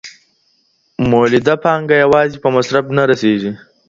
مولده پانګه یوازې په مصرف نه رسیږي.